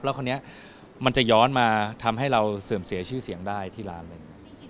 แล้วคนนี้มันจะย้อนมาทำให้เราเสื่อมเสียชื่อเสียงได้ที่ร้านหนึ่ง